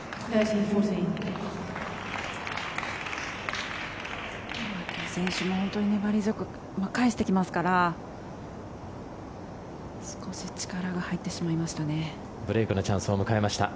テイ選手も本当に粘り強く返してきますから少し力が入ってしまいましたね。